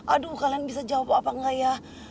aduh kalian bisa jawab apa enggak ya